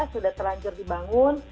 sudah terlanjur dibangun